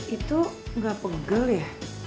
itu gak penggel ya